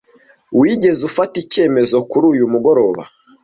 Wigeze ufata icyemezo kuri uyu mugoroba?